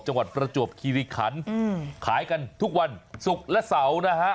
ประจวบคิริขันขายกันทุกวันศุกร์และเสาร์นะฮะ